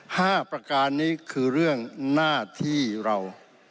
ประการนี้คือเรื่องหน้าที่เรา